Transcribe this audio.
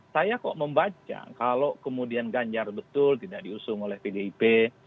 saya kok membaca kalau kemudian ganjar betul tidak diusung oleh pdip